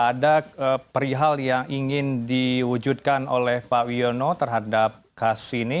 ada perihal yang ingin diwujudkan oleh pak wiono terhadap kasus ini